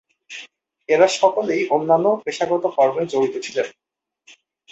এঁরা সকলেই অন্যান্য পেশাগত কর্মে জড়িত ছিলেন।